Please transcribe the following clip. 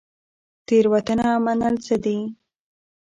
تیروتنه منل څه دي؟